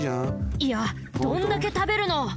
いやどんだけたべるの！